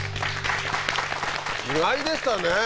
意外でしたね